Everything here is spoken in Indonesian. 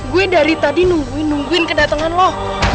gue dari tadi nungguin kedatengan lo